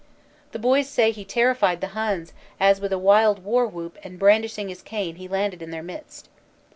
The boys say he terrified the Huns as with a wild war whoop and brandishing his cane he landed in their midst.